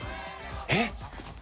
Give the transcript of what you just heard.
えっ？